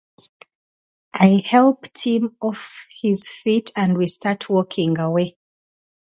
I help Tim off his feet and we start walking away.